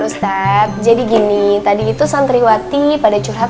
uis gr jadi gini tadi itu essential laughy pada curhat